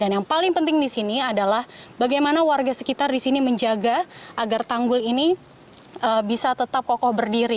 yang paling penting di sini adalah bagaimana warga sekitar di sini menjaga agar tanggul ini bisa tetap kokoh berdiri